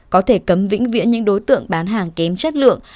có thể cấm vĩnh viễn những đối tượng bán hàng kém chất lượng